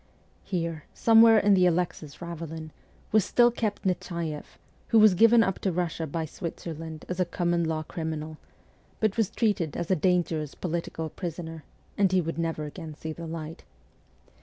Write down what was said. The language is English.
Here, somewhere in the Alexis ravelin, was still kept Nechaieff, who was given up to "Russia by Switzerland as a common law criminal, but was treated as a dangerous political prisoner, and would never again see the light.